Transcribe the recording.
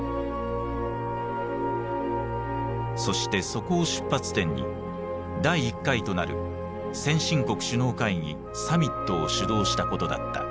そしてそこを出発点に第１回となる先進国首脳会議サミットを主導したことだった。